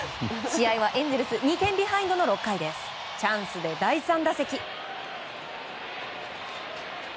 試合はエンゼルス２点ビハインドの６回チャンスで第３打席。